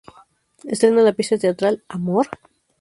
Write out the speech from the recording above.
Estrena la pieza teatral “¿Amor?...